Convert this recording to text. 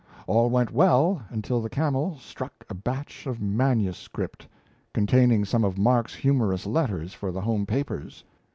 All went well until the camel struck a batch of manuscript containing some of Mark's humorous letters for the home papers.